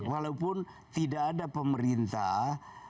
walaupun tidak ada pemerintah